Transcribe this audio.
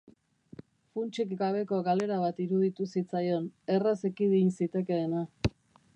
Funtsik gabeko galera bat iruditu zitzaion, erraz ekidin zitekeena.